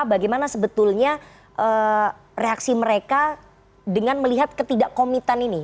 bagaimana sebetulnya reaksi mereka dengan melihat ketidakkomitan ini